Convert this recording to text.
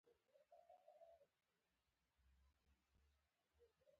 دوکاندار د ټولنې لپاره ښه بېلګه ده.